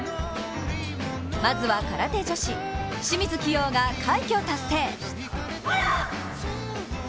まずは空手女子清水希容が快挙達成。